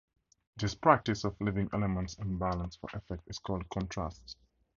This practice of leaving elements unbalanced for effect is called "contraste".